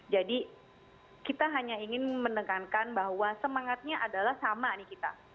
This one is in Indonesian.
jadi kita hanya ingin menekankan bahwa semangatnya adalah sama nih kita